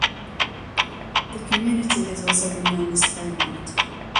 The community has also been known as Fairmont.